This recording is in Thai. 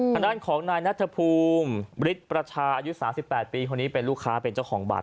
ทางด้านของนายนัทภูมิฤทธิ์ประชาอายุ๓๘ปีคนนี้เป็นลูกค้าเป็นเจ้าของบัตร